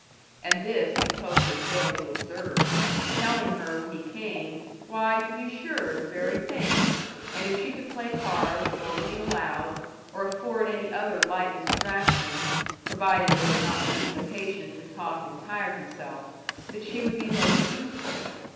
And this he totally failed to observe, telling her when he came, why, to be sure! the very thing! And if she could play cards or read aloud, or afford any other light distractions, provided they did not lead the patient to talk and tire himself, that she would be most useful.